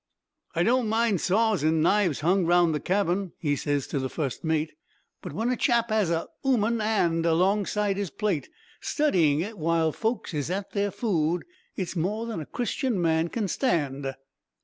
'I don't mind saws an' knives hung round the cabin,' he ses to the fust mate, 'but when a chap has a 'uman 'and alongside 'is plate, studying it while folks is at their food, it's more than a Christian man can stand."